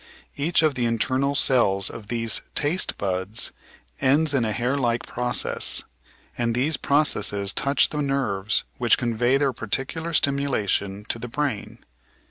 Each of the internal cells of these "taste buds" ends in a hair like process, and these processes touch the nerves which convey their particular stimulation to the brain.